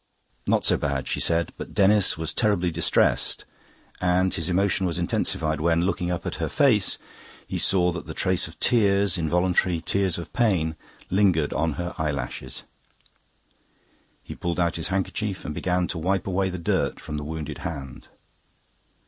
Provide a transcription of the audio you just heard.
"Not so bad," she said. But Denis was terribly distressed, and his emotion was intensified when, looking up at her face, he saw that the trace of tears, involuntary tears of pain, lingered on her eyelashes. He pulled out his handkerchief and began to wipe away the dirt from the wounded hand.